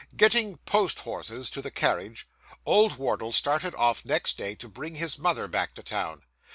Getting post horses to the carriage, old Wardle started off, next day, to bring his mother back to town.